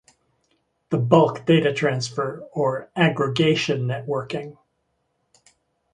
The "bulk data transfer" or aggregation networking.